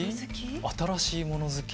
新しいもの好き？